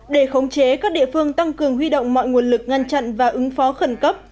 để khống chế các địa phương tăng cường huy động mọi nguồn lực ngăn chặn và ứng phó khẩn cấp